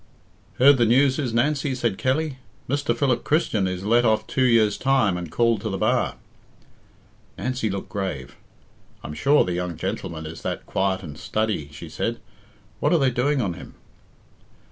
"Heard the newses, Nancy?" said Kelly. "Mr. Philip Christian is let off two years' time and called to the bar." Nancy looked grave. "I'm sure the young gentleman is that quiet and studdy," she said. "What are they doing on him?"